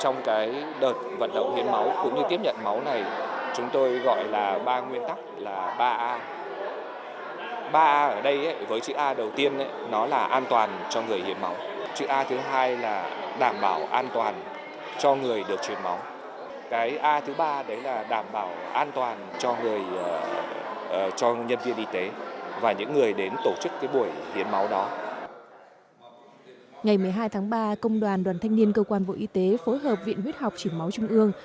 ngày một mươi hai tháng ba công đoàn đoàn thanh niên cơ quan bộ y tế phối hợp viện huyết học chỉ máu trung ương